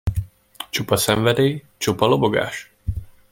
Csupa szenvedély, csupa lobogás!